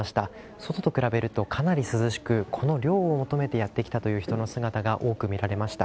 外と比べるとかなり涼しく、この涼を求めてやって来た人の姿が多く見られました。